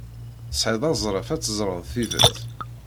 Tesɛid azref ad teẓred tidet.